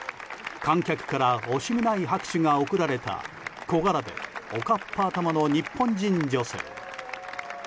観客から惜しみない拍手が送られた小柄でおかっぱ頭の日本人女性。